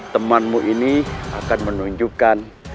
temanmu ini akan menunjukkan